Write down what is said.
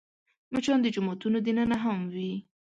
مچان د جوماتونو دننه هم وي